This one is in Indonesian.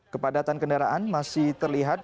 kepadatan kendaraan masih terlihat